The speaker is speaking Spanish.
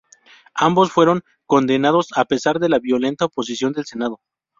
Ambos fueron condenados, a pesar de la violenta oposición del senado.